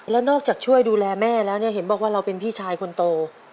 แล้วนอกจากช่วยดูแลแม่แล้วเนี่ยเห็นบอกว่าเราเป็นพี่ชายคนโต